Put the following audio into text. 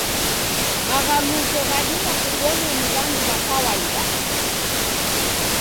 Maghaluso ghadima kubonywa ni w'andu wa kawaida.